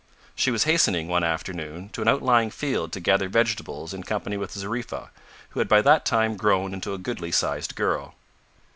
She was hastening, one afternoon, to an outlying field to gather vegetables in company with Zariffa, who had by that time grown into a goodly sized girl.